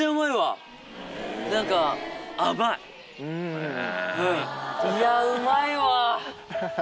いやうまいわ！